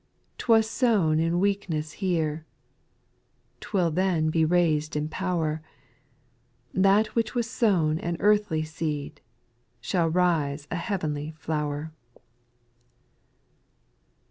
9. 'T was sown in weakness here ; 'T will then be raised in power. That which was sown an earthly seed. Shall rise a heavenly flower.